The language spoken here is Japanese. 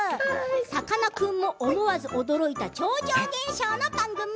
さかなクンも思わず驚いた超常現象の番組。